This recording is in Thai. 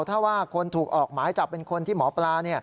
ถ้าว่าคนถูกออกหมายจับเป็นคนที่หมอปลา